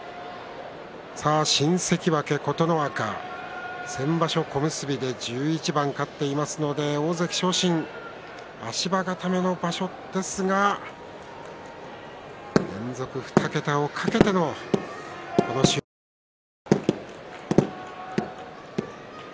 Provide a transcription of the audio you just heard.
新関脇琴ノ若、先場所、小結で１１番勝っていますので大関昇進足場固めの場所ですが連続２桁を懸けてのこの終盤戦です。